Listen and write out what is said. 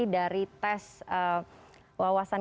dari tes wawasan